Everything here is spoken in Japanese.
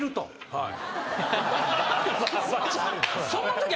はい。